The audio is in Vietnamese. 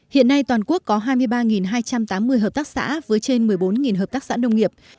hiện nay toàn quốc có hai mươi ba hai trăm tám mươi hợp tác xã với trên một mươi bốn hợp tác xã nông nghiệp